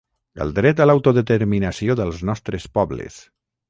El dret a l’autodeterminació dels nostres pobles.